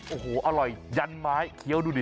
โอ้โหอร่อยยันไม้เคี้ยวดูดิ